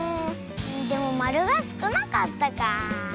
でもまるがすくなかったかあ。